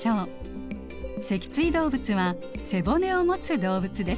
脊椎動物は背骨をもつ動物です。